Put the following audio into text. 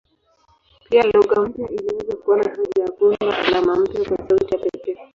Pia lugha mpya iliweza kuona haja ya kuunda alama mpya kwa sauti ya pekee.